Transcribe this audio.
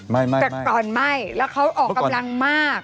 ไหม้แต่ก่อนไหม้แล้วเขาออกกำลังมาก